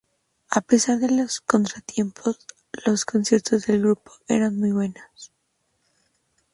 A pesar de los contratiempos, los conciertos del grupo eran muy buenos.